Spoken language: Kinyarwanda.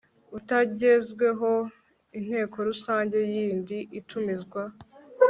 utagezweho inteko rusange yindi itumizwa